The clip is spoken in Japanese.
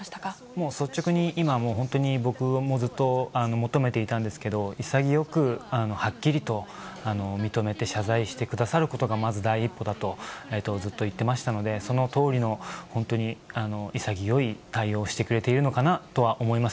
もう率直に今、僕、ずっと求めていたんですけど、潔くはっきりと認めて謝罪してくださることがまず第一歩だと、ずっと言ってましたので、そのとおりの本当に潔い対応してくれているのかなと思います。